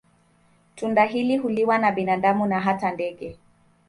Tunda hili huliwa na binadamu na hata ndege.